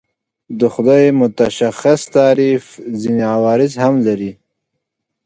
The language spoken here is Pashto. د خدای متشخص تعریف ځینې عوارض هم لري.